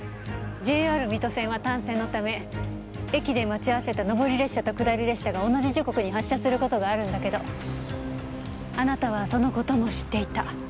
ＪＲ水戸線は単線のため駅で待ち合わせた上り列車と下り列車が同じ時刻に発車する事があるんだけどあなたはその事も知っていた。